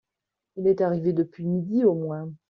Il est arrivé depuis midi au moins.